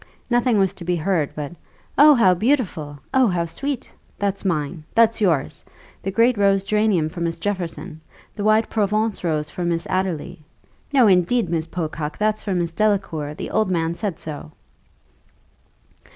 Nothing was to be heard but "Oh, how beautiful! Oh, how sweet! That's mine! That's yours! The great rose geranium for Miss Jefferson! The white Provence rose for Miss Adderly! No, indeed, Miss Pococke, that's for Miss Delacour; the old man said so."